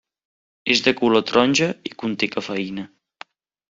És de color taronja i conté cafeïna.